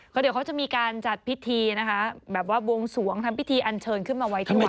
เดี๋ยวเขาจะมีการจัดพิธีนะคะแบบว่าบวงสวงทำพิธีอันเชิญขึ้นมาไว้ที่วัด